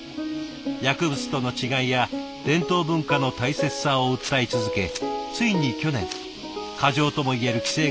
薬物との違いや伝統文化の大切さを訴え続けついに去年過剰ともいえる規制が緩和されました。